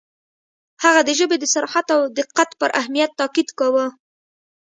• هغه د ژبې د صراحت او دقت پر اهمیت تأکید کاوه.